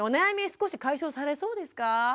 少し解消されそうですか？